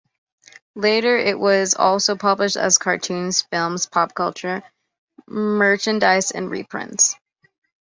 Later it was also published as cartoons, films, pop culture merchandise and reprints.